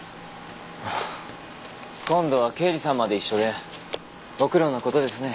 今度は刑事さんまで一緒でご苦労な事ですね。